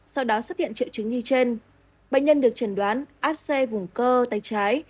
sau đó xuất hiện triệu chứng như trên bệnh nhân được chẩn đoán áp xe vùng cơ tay trái